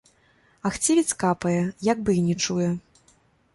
А хцівец капае, як бы і не чуе.